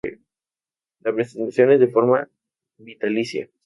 La prestación es de forma vitalicia.